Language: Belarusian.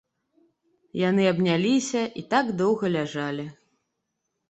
Яны абняліся і так доўга ляжалі.